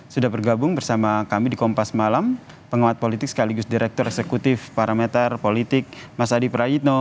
sudah bergabung bersama kami di kompas malam penguat politik sekaligus direktur eksekutif parameter politik mas adi prayitno